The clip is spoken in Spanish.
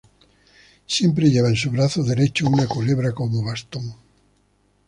Siempre lleva en su brazo derecho una culebra como bastón.